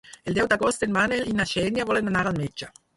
El deu d'agost en Manel i na Xènia volen anar al metge.